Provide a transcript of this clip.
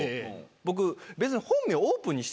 僕別に。